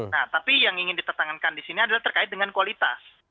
nah tapi yang ingin ditetangkan di sini adalah terkait dengan kualitas